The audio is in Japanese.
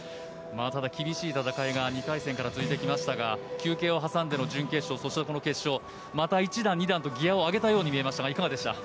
ただ、厳しい戦いが２回戦から続いてきましたが休憩を挟んでの準決勝そして、この決勝とまた１段、２段とギアを上げたように見えましたがいかがでした？